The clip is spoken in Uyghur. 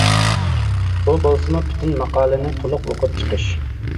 ئۇ بولسىمۇ پۈتۈن ماقالىنى تولۇق ئوقۇپ چىقىش.